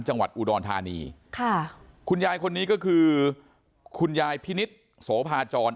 จังหวัดอุดรธานีค่ะคุณยายคนนี้ก็คือคุณยายพินิษฐ์โสภาจร